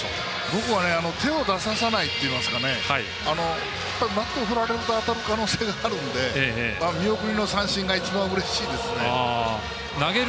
僕は手を出させないというバットを振られると当たる可能性があるので見送りの三振が一番うれしいですね。